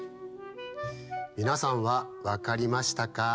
みなさんはわかりましたか？